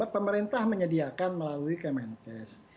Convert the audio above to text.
pemerintah menyediakan melalui kemenkes